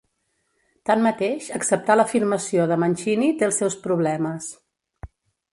Tanmateix, acceptar l'afirmació de Mancini té els seus problemes.